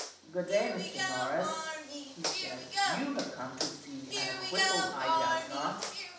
"Good day, Mr. Norris," he said, "you have come to see an acquittal, I doubt not.